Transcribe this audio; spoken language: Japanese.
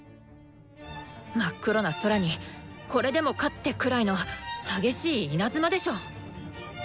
真っ黒な空にこれでもかってくらいの激しい稲妻でしょ！